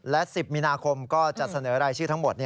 และ๑๐มีนาคมก็จะเสนอรายชื่อทั้งหมด